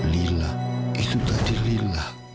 lila itu tadi lila